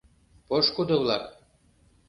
— Пошкудо-влак...